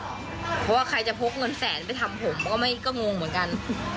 เพราะว่าใครจะพกเงินแสนไปทำผมก็งงเหมือนกัน